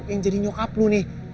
yang jadi nyokap lu nih